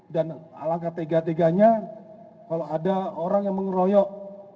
dan alangkah tega teganya kalau ada orang yang mengeroyok